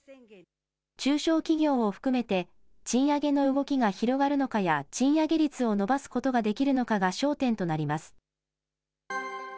中小企業を含めて、賃上げの動きが広がるのかや、賃上げ率を伸ばすことができるのかが焦点となります。